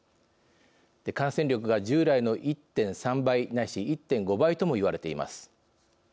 感染力が、従来の１．３倍ないし１．５倍とも言われています。